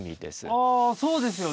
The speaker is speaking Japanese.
あそうですよね。